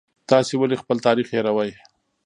تاسې ولې خپل تاریخ هېروئ؟